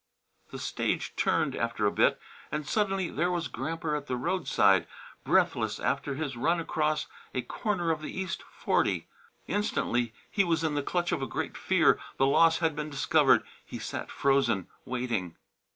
The stage turned after a bit, and suddenly there was Gramper at the roadside, breathless after his run across a corner of the east forty. Instantly he was in the clutch of a great fear; the loss had been discovered. He sat frozen, waiting.